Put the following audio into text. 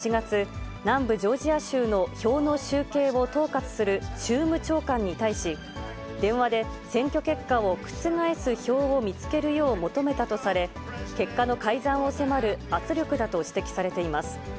トランプ氏は、大統領選後の去年１月、南部ジョージア州の票の集計を統括する州務長官に対し、電話で選挙結果を覆す票を見つけるよう求めたとされ、結果の改ざんを迫る圧力だと指摘されています。